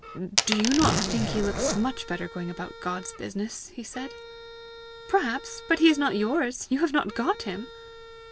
"Do you not think he looks much better going about God's business?" he said. "Perhaps; but he is not yours; you have not got him!"